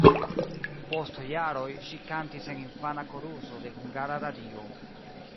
Post jaroj ŝi kantis en infana koruso de Hungara Radio.